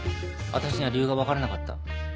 あたしには理由が分からなかった。